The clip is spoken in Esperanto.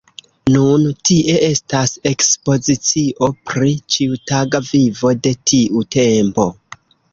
Nun tie estas ekspozicio pri ĉiutaga vivo de tiu tempo.